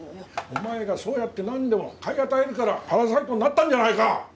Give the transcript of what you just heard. お前がそうやってなんでも買い与えるからパラサイトになったんじゃないか！